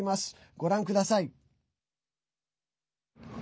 ご覧ください。